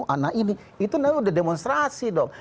anak ini itu namanya udah demonstrasi dong